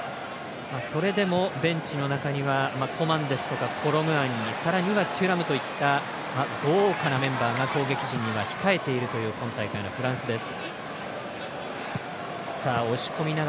それでもベンチの中にはコマンですとかコロムアニさらにはテュラムといった豪華なメンバーが攻撃陣には控えているという今大会のフランス陣です。